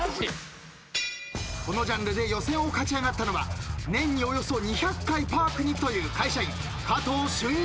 このジャンルで予選を勝ち上がったのは年におよそ２００回パークに行くという会社員加藤駿一。